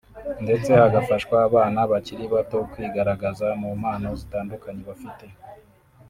ndetse hagafashwa abana bakiri bato kwigaragaza mu mpano zitandukanye bafite